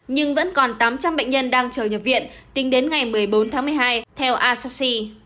nhưng vẫn còn tám trăm linh bệnh nhân đang chờ nhập viện tính đến ngày một mươi bốn tháng một mươi hai theo asay